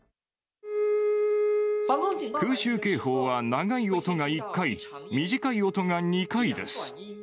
空襲警報は長い音が１回、短い音が２回です。